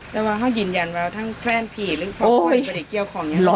แต่ว่าเขายินยันว่าทั้งแคลนผีหรือพ่อพ่อยประเด็นเกี่ยวของอย่างนี้